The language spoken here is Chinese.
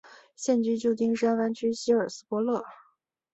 现居旧金山湾区希尔斯伯勒。